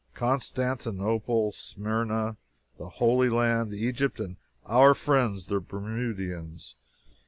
Constantinople! Smyrna! The Holy Land! Egypt and "our friends the Bermudians"!